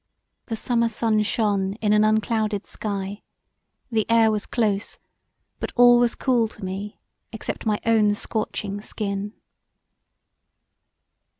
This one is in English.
The summer sun shone in an unclouded sky; the air was close but all was cool to me except my own scorching skin.